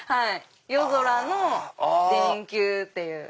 夜空の電球っていう。